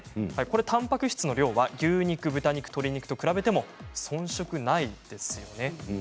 たんぱく質の量は、牛肉、豚肉鶏肉と比べても遜色ないですよね。